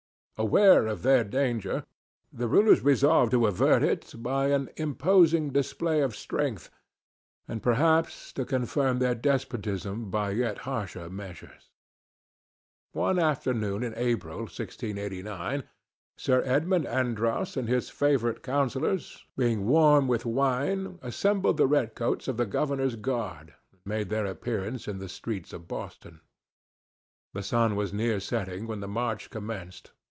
Aware of their danger, the rulers resolved to avert it by an imposing display of strength, and perhaps to confirm their despotism by yet harsher measures. One afternoon in April, 1689, Sir Edmund Andros and his favorite councillors, being warm with wine, assembled the red coats of the governor's guard and made their appearance in the streets of Boston. The sun was near setting when the march commenced.